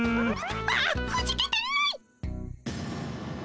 ああくじけてない！